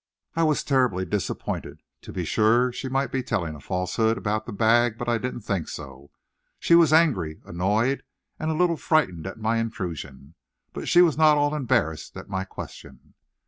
I was terribly disappointed. To be sure she might be telling a falsehood about the bag, but I didn't think so. She was angry, annoyed, and a little frightened at my intrusion, but she was not at all embarrassed at my question.